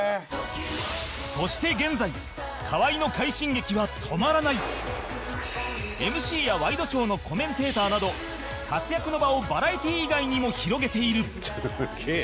そして現在河合のＭＣ やワイドショーのコメンテーターなど活躍の場をバラエティ以外にも広げている